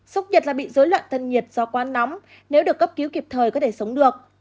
sốc nhiệt là bị dối loạn thân nhiệt do quá nóng nếu được cấp cứu kịp thời có thể sống được